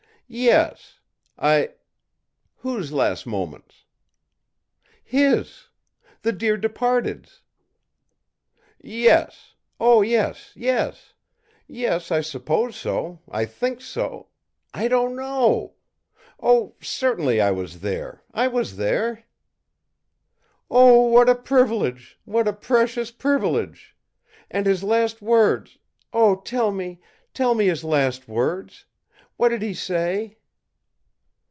ì'Yes. I whose last moments?' ì'His. The dear departed's.' ì'Yes! Oh, yes yes yes! I suppose so, I think so, I don't know! Oh, certainly I was there I was there!' ì'Oh, what a privilege! what a precious privilege! And his last words oh, tell me, tell me his last words! What did he say?'